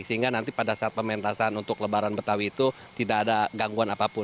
sehingga nanti pada saat pementasan untuk lebaran betawi itu tidak ada gangguan apapun